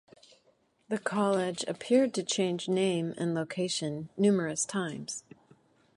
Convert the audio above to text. The College appeared to change name and location numerous times.